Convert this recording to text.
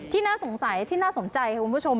น่าสงสัยที่น่าสนใจค่ะคุณผู้ชม